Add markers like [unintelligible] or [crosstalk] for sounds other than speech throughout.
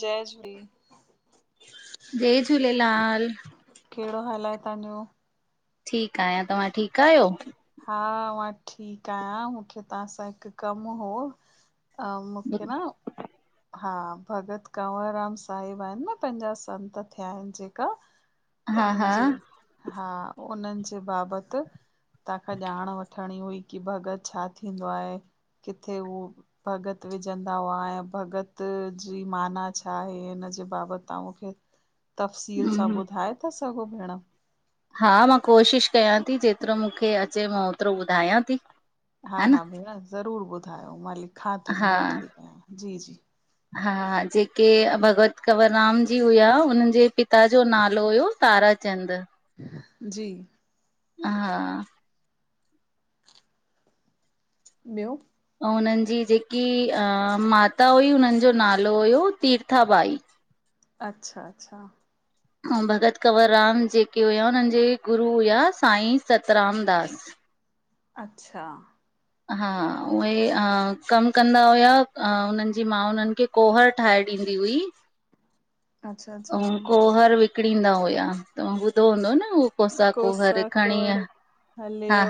जय झूले जय झूलेलाल, केड़ो हाल आ तहां जो? ठीक आहियां तव्हां ठीक आहियो? हा मां ठीक आहियां मूंखे तहां सां हिक कम हो? अं मूंखे न हा भगत कंवरराम साहिब आहिन न पंहिंजा संत थया आहिन जेका हा उ्हनि हा जे हा उ्हनि जे बाबते तहांखां ॼाण वठणी हुई की भगत छा थींदो आहे? किथे उह भॻत विझंदा हुआ? भगत जी माना छा आहे हुन जे बाबत तां मूंखे तफ़सील हूं सां हूं ॿुधाए ता सघो भेण? हा मां कोशिश कयां ती जेतरो मूंखे अचे मां ओतरो ॿुधायां ती। हा -हा भेण ज़रूर ॿुधायो मां लिखां ती हा नोट ती कयां जी- जी। हा जेके भगवत कंवरराम जी हुआ हुनन जे पिता जो नालो हुयो तारा चंद जी हा ॿयो? ऐं हुनन जी जेकी माता हुई हुनन जो नालो हुयो तीरथा बाई। अच्छा अच्छा। अंउं भॻति कंवरराम जेके हुया हुननि जे गुरू हुया साईं सतरामदास। अच्छा हा उहे हा कमु कंदा हुया उन्हनि जी मां उन्हनि खे कोहर ठाहे ॾींदी हुई अच्छा अच्छा अंउं कोहर विकणींदा हुया, तव्हां ॿुधो हूंदो न हू कोसा कोहर खणीं आ हलियो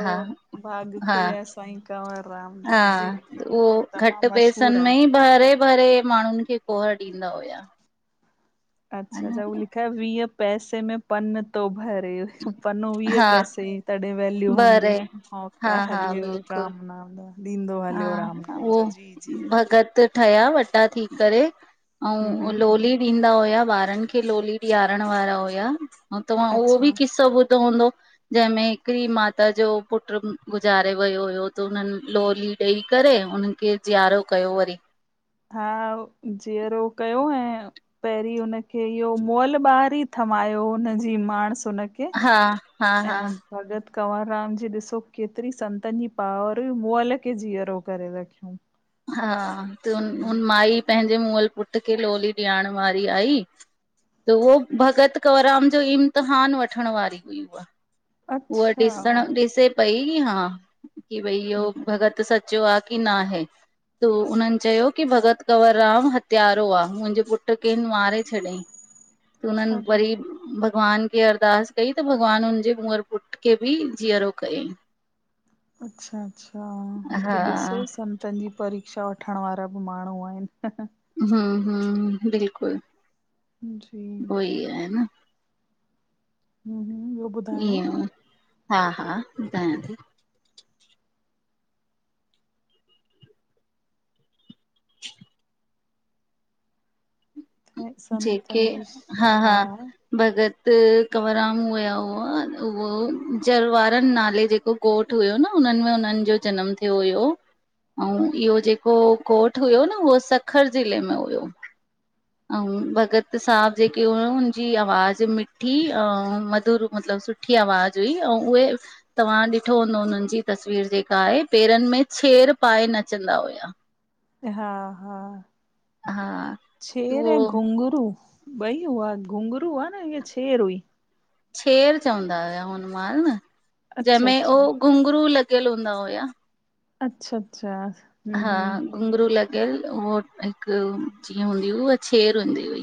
भाग खुलिया साईं कंवरराम हा जा जी जी उहो घटि तमामु मशहूर पैसनि में आहे ई भरे- भरे माण्हुनि खे कोहर ॾींदा हुया। हा अच्छा न -अच्छा हो लिखयल, वीह पैसे में पन तो भरे। पनो वीह हा पैसे तॾहिं वैल्यू हुंदी, भरे हा हौका हा हलियो बिल्कुल राम नाम जा। ॾींदो हा हलियो राम नाम उहो जा, जी जी जी भगत ठहिया वॾा थी करे, हम्म अंउं हम्म लोली ॾींदा हुया, ॿारनि खे लोली ॾियारण वारा हुया। अंउं तव्हां उहो बि अच्छा किस्सो ॿुधो हूंदो जंहिंमें हिकड़ी माता जो पुट्रु गुज़ारे वयो हुयो त उन्हनि लोली ॾई करे उन्हनि खे जियारो कयो वरी हा, जीअरो कयो ऐं पहिरीं हुनखे, इह्यो मुअल ॿार ई थमायो हुनजी माणहस हुनखे हा हा खे हा ऐं भॻत कंवरराम जी ॾिसो, केतिरी संतनि जी पावर, मुअल खे जीअरो करे रखियंऊं। हा त हुन माई पंहिंजे मुअल पुट खे लोली ॾियारण वारी आई। त उहो भॻत कंवराम जो इम्तिहान वठणं वारी हुई उहा। उहा अच्छा ॾिसण, ओ ॾिसे पई हा, कि भई इह्यो हम्म भॻति सच्चो आ की ना हे। त उन्हन चयो की भॻति कंवरराम हत्यारो आ, मुंजे पुट्र खे हिन मारे छॾियंईं। त हुननि अरे वरी भॻवान खे अरदास कई, त भॻवानु हुनजे मुअलु पुट्र खे बि जीअरो कयंईं। अच्छा -अच्छा हा त ॾिसो संत तनि जी परीक्षा वठंण वारा बि माण्हूं आहिनि। हूं हूं बिल्कुल जी उहो ई आहे न हम्म ईयं, हा हा ॿुधायां थी। ऐं जेके संतनि जी हा हा भॻत कंवरराम हुया हुआ, उहो जरवारनि नाले जेको ॻोठु हुयो न, हुननि में उन्हनि जो जनमु थियो हुयो। अंउं इह्यो जेको ॻोठु हुयो न उहो सखर ज़िले में हुयो। अंउं भगत साहब जेके हुआ हुन जी आवाज़ मिठी अंउं मधुर मतलबु सुठी सुठी आवाज़ हुई, अंउं उहे तव्हां ॾिठो हूंदो हुननि जी तस्वीर जेका आहे, पेरनि में छेर पाए नचंदा हुया। हा हा, हा छेर उहो ऐं घुघरूं ॿई हुआ, घुघरूं हुआ न या छेर हुई? छेर चवंदा हुया हुन महिल न, अच्छा जंहिंमें हो अच्छा घुंघरू लॻियल हूंदा हुया। अच्छा अच्छा हा हम्म हम्म घुंघरू लॻियल उहो हिकु जीअं हूंदी हुई उहा छेर हूंदी हुई।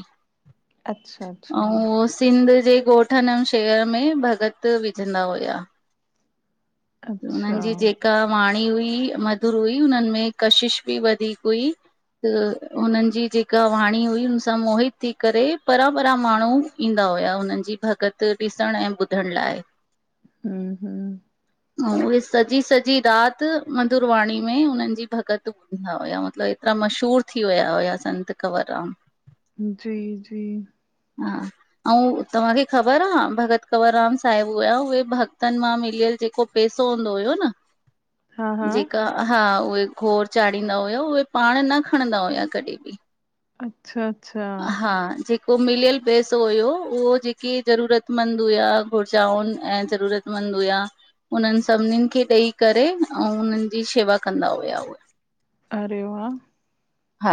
अच्छा अच्छा अउं उहो सिंध जे ॻोठ ॻोठन ऐं शहरन में भॻत विझंदा हुया। उनन अच्छा जी जेका वाणी हुई मधुर हुई। हुनन में कशिश भी वधीक हुई। त हुनन जी जेका वाणी हुई, हुन सां मोहित थी करे परां परां माण्हू ईंदा हुया। उनन जी भॻत ॾिसण ऐं ॿुधण लाए। हूं हूं उहे सजी सजी राति मधुर वाणी में उनन जी भॻत हा हुया मतलब एतरा मशहूर थी विया हुया संत कंवरराम जी जी हा अऊं तांखे ख़बर आ, भगत कंवरराम साहिब हुया उहे भगतन मां मिलियल जेको पेसो हूंदो हुयो न हा हा जेका हा उहे गोर चाढ़ींदा हुया उहे पाण न खणंदा हुया कॾी भी अच्छा अच्छा हा जे उ मिलियल पैसो हुयो, उहो जेके ज़रूरतमंद हुआ घुरजाउन ऐं ज़रूरत वंद हुया उनन सभनिन खे ॾेई करे अऊं उनन जी शेवा कंदा हुया अरे वाह हा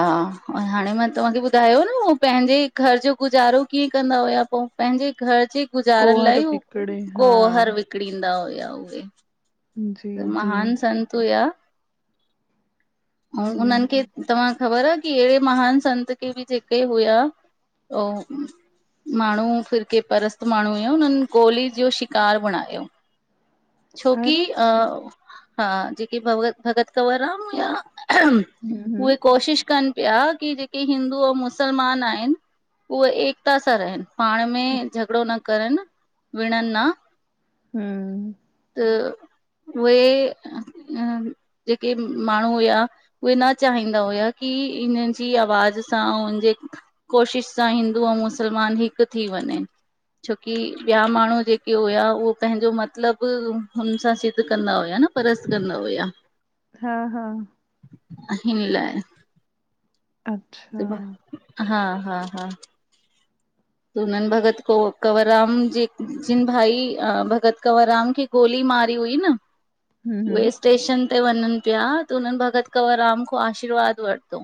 हाणे मां तवां खे ॿुधायो न उहो पंहिंजे घर जो गुजारो कीअं कंदा हुया पो पंहिंजे घर जे गुजारण कुंवर लाए उ पिकड़े हा कोहर विकणीं ईंदा हुया उहे जी जी महान संत हुया अऊं हम्म उनन खे हम्म तव्हां ख़बर की अहिड़े महान संत खे बि जेके हुया ओ माण्हू फिरके परस्त माण्हू हुया, उनन गोली जो शिकार बणायो छोकी अरे अ हम्म हा जेके भ भगत कंवरराम हुया उहे हम्म कोशिश कन ॿिया की जेके हिंदू अऊं मुसलमान आहिन उहे एकता सां रहिन पाण में झगड़ो न करन विणन न हुं त उहे जेके माण्हू हुया उहे न चाहींदा हुया की इन जी आवाज़ सां उन जे कोशिश सां हिंदू ऐं मुसलमान हिक थी वञे छोकी ॿिया माण्हू जेके हुया उहो पंहिंजो मतलब बि हुन सां सिद्ध कंदा हुया न परस कंदा हुया हा हा हिन लाए अच्छा हा हा हा हुनन भॻत क कंवरराम जे जिन भाई अ भगत कंवरराम खे गोली मारी हुई न हम्म उहे टेशन ते वञन पिया त उनन भगत कंवरराम खां आशीर्वाद वरतो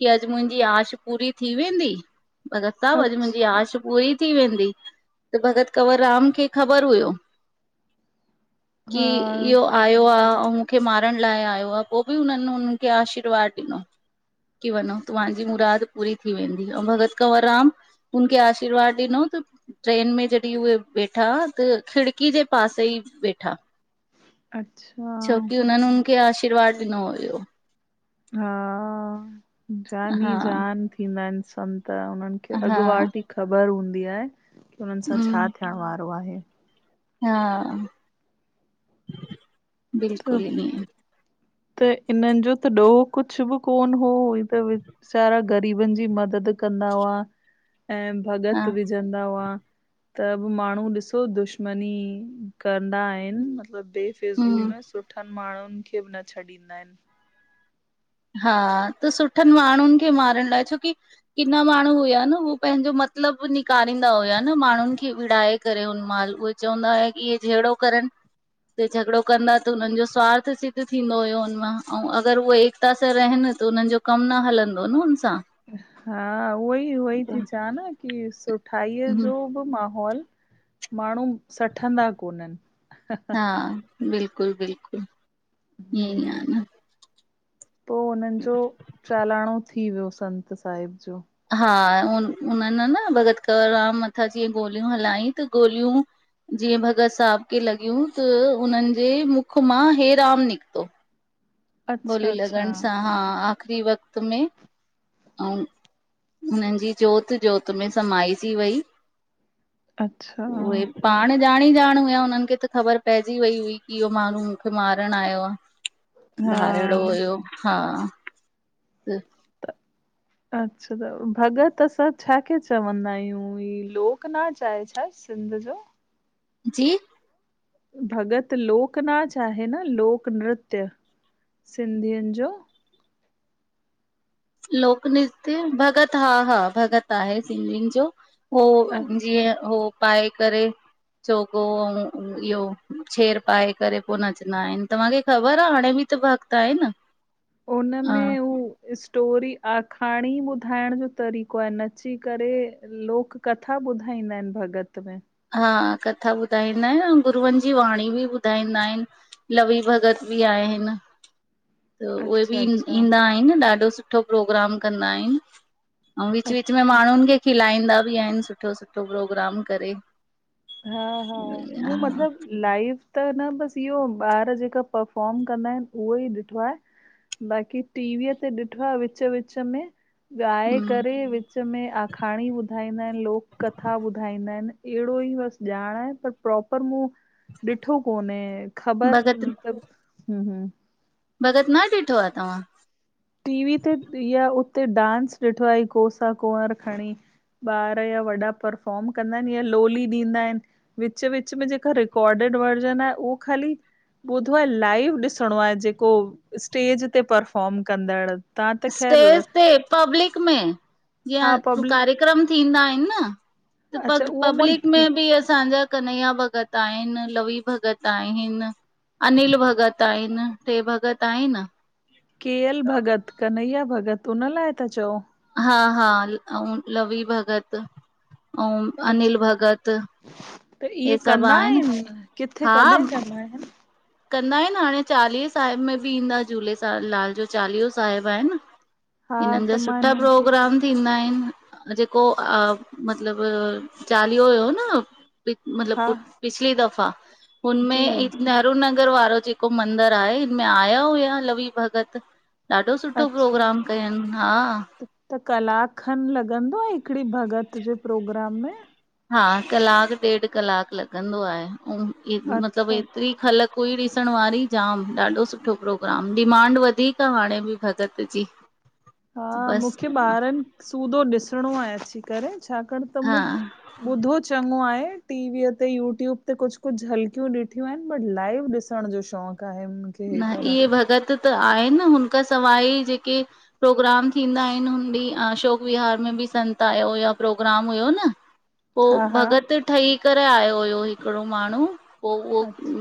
की अजु मुंहिंजी आश पूरी थी वेंदी भगत साहिब अजु मुंहिंजी अच्छा आश पूरी थी वेंदी त भॻत कंवर राम खे ख़बर हुयो की हा इहो आयो लआ अऊं मूंखे मारण लाए आयो आ पो भी उनन हुनन खे आशीर्वाद ॾिनो की वञो तवां जी मुराद पूरी थी वेंदी अऊं भगत कंवरराम हुनखे आशीर्वाद ॾिनो त। ट्रेन में जॾहिं उहे वेठा त खिड़की जे पासे ई वेठा। अच्छा छोकी हुननि हुन खे आशीर्वाद ॾिनो हुयो। हा। जान ई हा जान, थींदा आहिनि संत उननि। की हा अॻुवाट ही ख़बर हूंदी आहे की हुननि सां हम्म, छा थियण वारो आहे। हा। त बिल्कुल न त इननि जो त डोह कुझ बि कोन हो हे त सारा ग़रीबनि जी मदद कंदा हुआ ऐं हा भगत बि जंदा हुआ। त बि माण्हू ॾिसो दुश्मनी कंदा आहिनि। म बेफ़िज़ूल हम्म में सुठनि माण्हुनि खे न छॾींदा आहिनि हा। त सुठनि माण्हुनि खे मारण लाइ छोकी किना माण्हू हुया न उह पंहिंजो मतिलबु निकारींदा हुया न माण्हुनि खे विड़ाए करे हुन मअल् उहे। चवंदा हु की इहे जड़ो करनि। झगड़ो कंदा त हुननि जो स्वार्थ सिद्ध थींदो हुयो। हुनमा ऐं अगरि उहए ऐक उत सां रहनि त हुननि जो कम न हलंदो न हुन सा। हा उहोई, उहोई थी चावा न की सुठााई हम्म, जो। माहौल माण्हू सठंदा कोननि। हा बिल्कुलु, बिल्कुलु, ईअ आहे न। पोइ हुननि जो, चालाणो थी वियो संत साहिब जो। हा। उ उन्हनि न भॻत कंवरराम मथां जीअं गोलियूं हलाय त गोलियूं। जीअं भगति साहब खेे लॻियूं त उ्हनि जे मुख मां हेराम निकितो। अच्छा ॻोली अच्छा लॻण सां हा आख़िरी वक़्त में। ऐं। उन्हनि जी जोति जोति में समाइजी वेई। अच्छा? पाण ॼाण ई ॼाण हुया हुननि खे त ख़बर पहिजी वई हुई की इहो माण्हू मूंखे मारण आयो आ। हा बारिड़ो हुयो हा। अच्छा। त भॻत असां छा के चवंदा आहियूं? ही लोकनाच आहे छा हर सिंध जो? जी? भॻत लोकनाच आहे। न लोक नृत्य सिंधियुनि जो? लोक नृत्य भगत हा। हा। भगत आहे सिंधियुनि जो। हो जीअ हो पाए करे। चोको ऐं इहो छेड़ पाए करे पोइ नचंदा आहिनि। तव्हांखे ख़बर आह हाणे बि त वक़्तु आहे न। हा उनमें उ। स्टोरी आखाणी ॿुधाइण जो तरीक़ो आहे। नची करे लोक। कथा ॿुधाईंदा आहिनि भॻत में। हा। कथा ॿुधाईंदा आहिनि ऐं गुरूअनि जी वाणी बि ॿुधाईंदा आहिनि। लवी भगत बि आहिनि। त उहे बि अच्छा, अच्छा, ईंदा आहिनि ॾाढो सुठो प्रोग्राम कंदा आहिनि। ऐं। विच, विच अच्छा में माण्हुनि खे खिलाईंदा बि आहिनि सुठो सुठो प्रोग्राम करे। हा। हा। मूं हा मतिलब। लाइव त न बसि इहो ॿार जेका पफॉम कंदा आहिनि उहो ई ॾिठो आहे। बाक़ी टीवीअ ते ॾिठो आहे विच, विच में। ॻाए करे विच में आखाणी ॿुधाईंदा आहिनि लोक कथा ॿुधाईंदा आहिनि अहिड़ो ई वस। ॼाणे पर प्रोपर मूं ॾिठो कोन्हे ख़बर भॻत [unintelligible] [inaudible] भॻत न ॾिठो आ तव्हां? टी वी ते या उते डांस ॾिठो आ। कोसा कुंवर खणी। ॿार या वॾा परफॉम कंदा आहिन या लोली ॾींदा आहिन। विच- विच में जेका रिकॉर्डिड वर्जन आहे उ ख़ाली ॿुधो आ लाइव ॾिसणो आहे जेको स्टेज ते परफॉम कंदॾ स्टेज ते पब्लिक में हा जीअं पब्लिक कार्यक्रम थींदा आहिन न अच्छा पग उहो मूं पब्लिक में बि असांजा कन्हैया भॻत आहिन लवी भगत आहिन। अनिल भॻत आहिन टे भॻत आहिन। के एल भॻत कन्हैया भॻत उन लाइ था चओ? हा- हा अऊं लवि भगत अऊं अच्छा अनिल भगत। त इहे सभु कंदा आहिनि आहिन किथे हा कॾहिं कंदा आहिन? कंदा आहिन हाणे चालीहे साहिब में बि ईंदा झूलेलालेलाल जो चालीहो साहिब आहिन। हा हिनन जा त मां सुठा हिननि खे प्रोग्राम थींदा आहिन जेको मतलब चालीहो हुयो नं मतलब हा पिछली दफ़ा जी हुनमें इत ेरु [inaudible] नगर वारो जेको मंदिर आहे हिनमें आया हुया लवी भगत ॾाढो सुठो अच्छा प्रोग्राम कयनि हां। त कलाक खन लॻंदो आहे हिकिड़े भॻत जे प्रोग्राम में। हा कलाक ॾेढ कलाक लॻंदो आहे ऐं मतलब अच्छा अच्छा एतिरी ख़लक कोई ॾिसण वारी जाम ॾाढो सुठो प्रोग्राम डिमांड वधीक हाणे बिं भॻत जी। [inaudible] हां मूंखे बसि ॿारनि सूदो ॾिसणो आहे अची करे छाकाणि त म हा ॿुधो चङो आहे टीवीअ ते यूट्यूब ते कुछ कुछ जल्कियूं ॾिठियूं आहिन बट लाइव ॾिस ॾिसण जो शौक़ आहे। हे न करण इहे भगत त आहिन हुनखां सवाइ जेके प्रोग्राम थींदा आहिन हुनॾ अशोक विहार में बिं संत आयो या प्रोग्राम हुयो न पो हा हा भॻत ठही करे आयो हुयो हिकिड़ो माण्हू। पो उहो अच्छा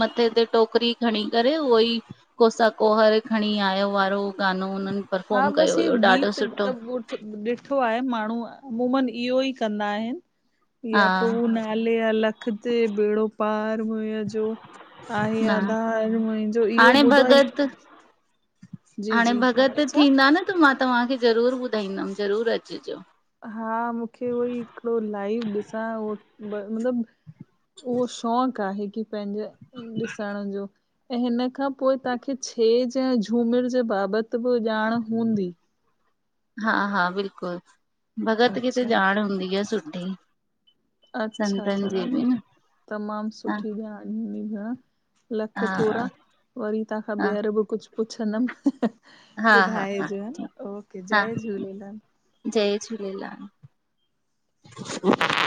मथे ते टोकरी खणी। करे उहो ई कोसा कोहर खणी आयो वारो गानो उननि हां बस इयो गीत त [unintelligible] ॾिठो आहे माण्हू मुमूमन इहो ई कंदा आहिन हा या पोइ न लेया लख ते बेड़ो थी। पार मुंहिंज जो आहे न आधार मुंहिंजो इहो हाणे ॿुधो ई भगत हाणे भॻत छा? थींदा न त मां तव्हांखे ज़रूर ॿुधाईंदंम ज़रूर अचिजो। हा मूंखे उहोई हिकिड़ो लाइव ॾिसां उह मतलब उहो शौक़ आहे की पंहिंजे ॾिसण जो। ऐं हिन खां पोइ तांखे छेॼ ऐं झूमिर जे बाबत बि ॼाण हूंदी। हां- हां बिल्कुल भगत केथ अच्छा जाण हूंदी आ सुठी। अच्छा संतन त दा जी न बि तमामु हा सुठी ॼाण आ। हण लख हा थोॾा वरी तां खां हा ॿीहर बि कुझु पुछंदम? हा हा हा ॿुधाएजो ठीकु नओके हा जय झूलेलाल। जय झूलेलाल।